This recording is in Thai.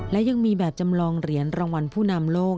และยังมีแบบจำลองเหรียญรางวัลผู้นำโลก